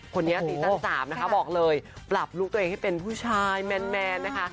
คนนี้ซีซั่น๓นะคะบอกเลยปรับลูกตัวเองให้เป็นผู้ชายแมนนะคะ